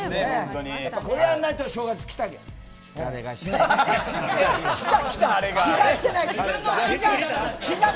これやらないと正月来た気がしない。